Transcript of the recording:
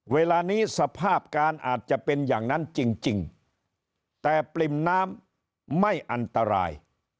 เวลานี้สภาพการอาจจะเป็นอย่างนั้นจริงแต่ปริ่มน้ำไม่อันตราย